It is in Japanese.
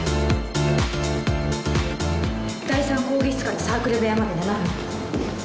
第３講義室からサークル部屋まで７分。